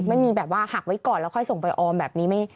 ไม่มีแบบว่าหักไว้ก่อนแล้วค่อยส่งไปออมแบบนี้